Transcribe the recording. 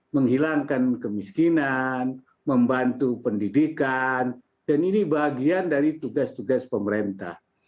menghilangkan kemiskinan membantu pendidikan dan ini bagian dari tugas tugas pemerintah